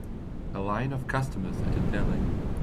A line of customers at a deli.